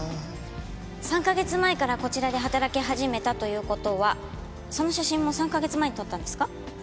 ３カ月前からこちらで働き始めたという事はその写真も３カ月前に撮ったんですか？